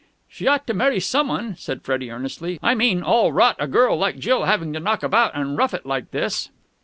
"She ought to marry someone," said Freddie earnestly. "I mean, all rot a girl like Jill having to knock about and rough it like this."